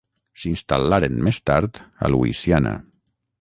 S'instal·laren més tard a Louisiana.